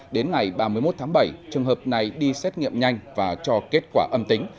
đến ngày ba mươi một tháng bảy trường hợp này đi xét nghiệm nhanh và cho kết quả âm tính